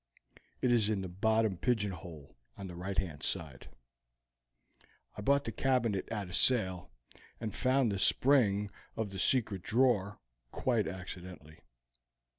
It is in the bottom pigeonhole on the right hand side. I bought the cabinet at a sale, and found the spring of the secret drawer quite accidentally.